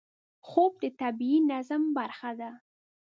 خوب د طبیعي نظم برخه ده